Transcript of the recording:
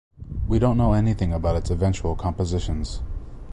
We don’t know anything about its eventual compositions.